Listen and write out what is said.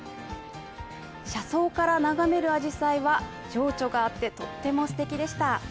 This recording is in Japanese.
車窓から眺めるあじさいは情緒があってとってもすてきでした。